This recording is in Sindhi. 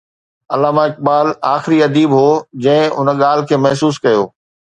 علامه اقبال آخري اديب هو جنهن ان ڳالهه کي محسوس ڪيو.